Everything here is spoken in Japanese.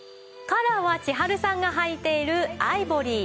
カラーは千春さんがはいているアイボリー。